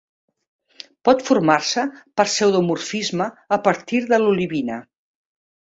Pot formar-se per pseudomorfisme a partir de l'olivina.